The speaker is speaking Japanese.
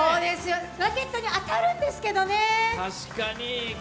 ラケットに当たるんですけどね。